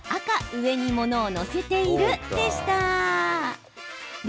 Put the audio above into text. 上に物を載せている、でした。